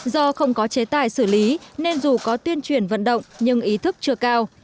do không có chế tài xử lý nên dù có tuyên truyền vận động nhưng ý thức chưa cao